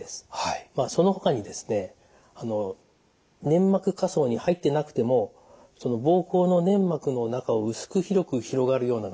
そのほかにですね粘膜下層に入ってなくてもその膀胱の粘膜の中を薄く広く広がるようながんですね。